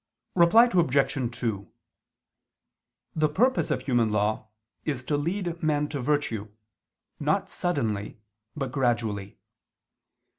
Reply Obj. 2: The purpose of human law is to lead men to virtue, not suddenly, but gradually.